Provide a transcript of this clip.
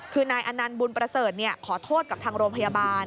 คือนายอนันต์บุญประเสริฐขอโทษกับทางโรงพยาบาล